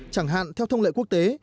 chẳng hạn theo thông lệ quốc tế